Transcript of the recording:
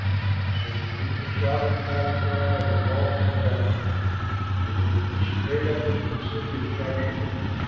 So the people shouted the battle cry and the wall fell down and they went straight up into the city and captured it.